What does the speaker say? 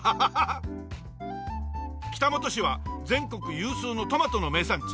北本市は全国有数のトマトの名産地。